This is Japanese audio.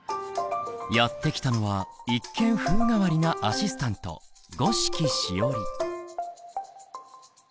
やって来たのは一見風変わりなアシスタント五色しおり。